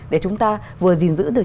để chúng ta vừa giữ được